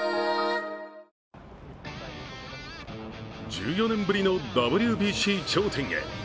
１４年ぶりのＷＢＣ頂点へ。